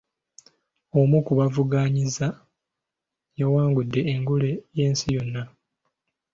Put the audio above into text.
Omu ku baavuganyizza yawangudde engule y'ensi yonna.